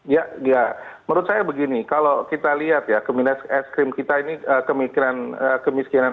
ya ya menurut saya begini kalau kita lihat ya kemiskinan ekstrim kita ini kemiskinan